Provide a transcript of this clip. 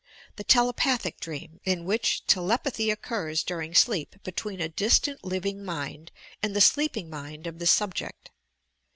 The telepathic dream, in which telepathy occurs during sleep between a distant living mind and the sleeping mind of the subject.